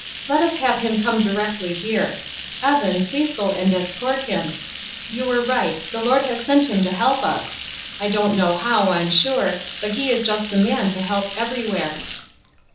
"Let us have him come directly here. Evan, please go and escort him. You were right, the Lord has sent him to help us. I don't know how, I'm sure; but he is just the man to help everywhere."